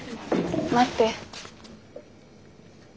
待って。